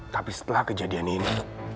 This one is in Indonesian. tapi setelah kejadian ini